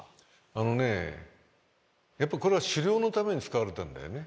あのねやっぱこれは狩猟のために使われたんだよね。